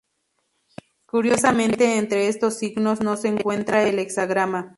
Curiosamente entre estos signos no se encuentra el hexagrama.